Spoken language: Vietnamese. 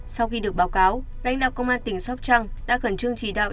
sau khi được báo cáo đánh đạo công an tỉnh sóc trăng đã khẩn trương trì đạo